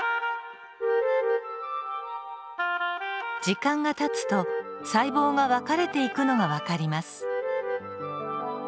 時間がたつと細胞が分かれていくのが分かります。